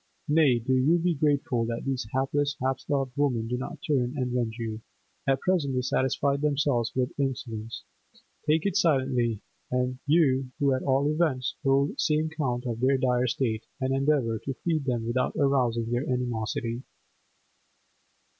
—Nay, do you be grateful that these hapless, half starved women do not turn and rend you. At present they satisfy themselves with insolence. Take it silently, you who at all events hold some count of their dire state; and endeavour to feed them without arousing their animosity!